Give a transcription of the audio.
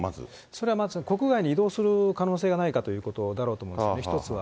それはまず、国外に移動する可能性がないだろうかということだと思いますね、一つは。